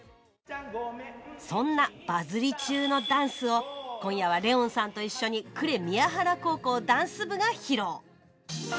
そんなバズり中のダンスを今夜はレオンさんと一緒に呉宮原高校ダンス部が披露。